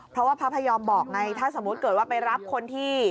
เพราะว่าพระพยอมบอกไงถ้าสมมุติเกิดว่าไปรับคนที่